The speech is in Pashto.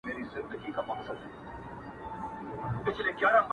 • هم له وره یې د فقیر سیوری شړلی ,